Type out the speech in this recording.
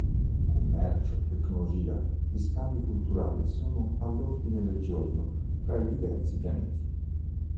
Commercio, tecnologia e scambi culturali sono all'ordine del giorno fra i diversi pianeti.